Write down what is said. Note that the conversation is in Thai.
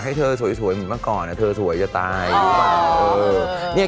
ก็ไม่ใช่ไม่รักเธอถือจะตายอยู่ไหน